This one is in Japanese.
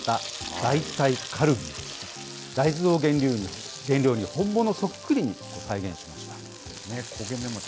大豆を原料に、本物そっくりに再現しました。